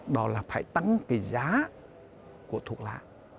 đó là phải tăng cái giá của thuốc lá